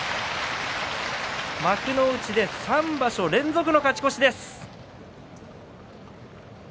幕内で３場所連続の勝ち越しです。